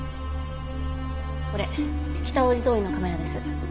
これ北大路通のカメラです。